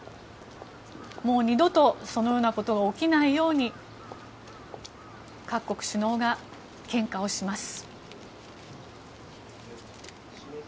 もう二度と、そのようなことが起きないように各国首脳が献花をします。